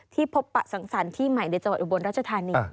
ที่พบประสังสารที่ใหม่ในจังหวัดอุบรรณราชธานิกษ์